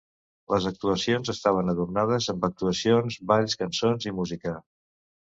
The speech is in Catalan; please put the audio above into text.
Les actuacions estaven adornades amb actuacions, balls, cançons i música.